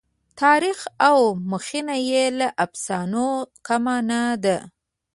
تاریخ او مخینه یې له افسانو کمه نه ده.